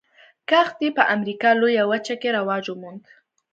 کښت یې په امریکا لویه وچه کې رواج وموند.